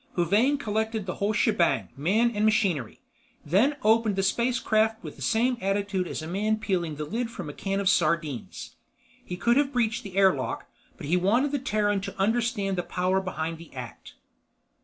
Huvane collected the whole shebang, man and machinery; then opened the spacecraft with the same attitude as a man peeling the lid from a can of sardines. He could have breached the air lock, but he wanted the Terran to understand the power behind the act.